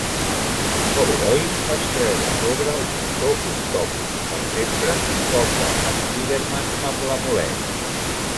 Oberoi es treu de sobre el Doctor Octopus per sempre i toca Spiderman amb l'amulet.